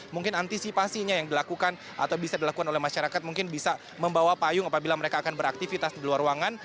mungkin antisipasinya yang dilakukan atau bisa dilakukan oleh masyarakat mungkin bisa membawa payung apabila mereka akan beraktivitas di luar ruangan